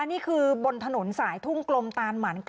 นี่คือบนถนนสายทุ่งกลมตานหมัน๙